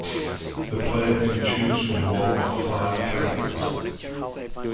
The player can choose from one of five characters.